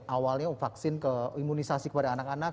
awalnya vaksin ke imunisasi kepada anak anak